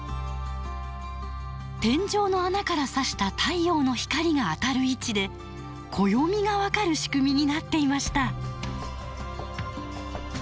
天井の穴からさした太陽の光が当たる位置で暦が分かる仕組みになっていました。